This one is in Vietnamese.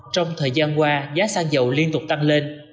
trong thời gian qua giá xăng dầu liên tục tăng lên